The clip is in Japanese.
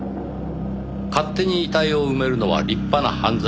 勝手に遺体を埋めるのは立派な犯罪です。